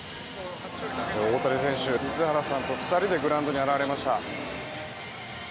大谷選手水原さんと２人でグラウンドに現れました。